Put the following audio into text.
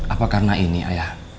apa karena ini ayah